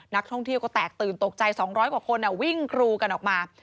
นักท่องเที่ยวก็แตกตื่นตกใจ๒๐๐กว่าคนวิ่งกรูกันออกมา